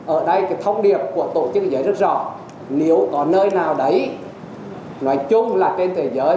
ở đây thông điệp của tổ chức y tế rất rõ nếu có nơi nào đấy nói chung là trên thế giới